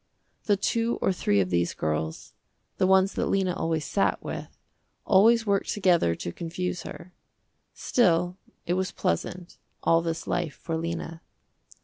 The two or three of these girls, the ones that Lena always sat with, always worked together to confuse her. Still it was pleasant, all this life for Lena.